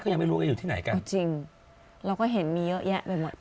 ยังไม่รู้ว่าอยู่ที่ไหนกันจริงเราก็เห็นมีเยอะแยะไปหมด